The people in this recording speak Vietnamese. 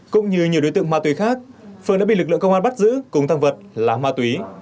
cũng như nhiều đối tượng ma túy khác phương đã bị lực lượng công an bắt giữ cùng tăng vật là ma túy